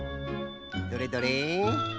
どれどれ？